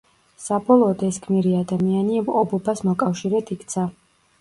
საბოლოოდ ეს გმირი ადამიანი ობობას მოკავშირედ იქცა.